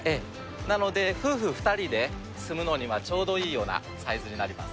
なので、夫婦２人で住むのにはちょうどいいようなサイズになります。